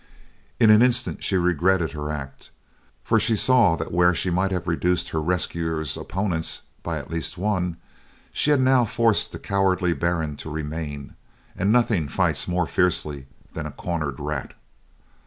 In an instant she regretted her act, for she saw that where she might have reduced her rescuer's opponents by at least one, she had now forced the cowardly Baron to remain, and nothing fights more fiercely than a cornered rat.